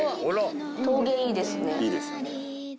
いいですよね。